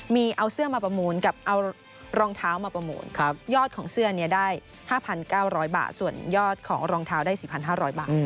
มีเอาเสื้อมาประมูลกับเอารองเท้ามาประมูลยอดของเสื้อนี้ได้๕๙๐๐บาทส่วนยอดของรองเท้าได้๔๕๐๐บาท